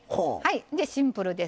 でシンプルです。